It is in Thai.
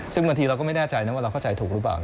ซึ่งบางทีเราก็ไม่แน่ใจนะว่าเราเข้าใจถูกหรือเปล่า